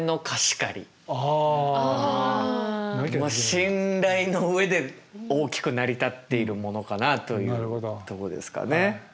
信頼の上で大きく成り立っているものかなというとこですかね。